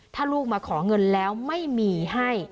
ถ้าลูกมาขอเงินแล้วไม่มีให้